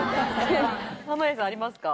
濱家さんありますか？